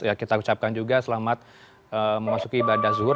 ya kita ucapkan juga selamat memasuki ibadah zuhur